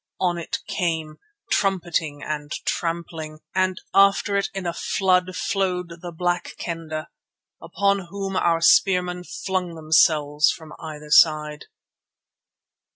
On it came, trumpeting and trampling, and after it in a flood flowed the Black Kendah, upon whom our spearmen flung themselves from either side.